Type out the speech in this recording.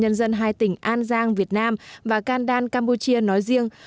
nhân dân hai tỉnh an giang việt nam và can đan campuchia nói riêng